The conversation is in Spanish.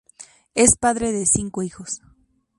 Es padre de cinco hijos.